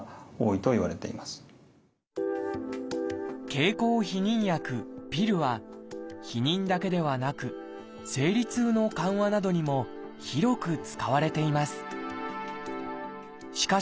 経口避妊薬は避妊だけではなく生理痛の緩和などにも広く使われています。